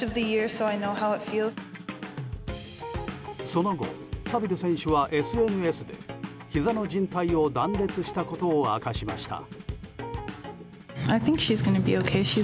その後サビル選手はＳＮＳでひざの靱帯を断裂したことを明かしました。